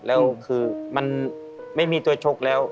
แล้วคือมันไม่มีตัวชกแล้ว